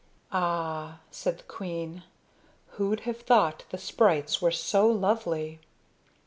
"Ah," said the queen, "who'd have thought the sprites were so lovely?"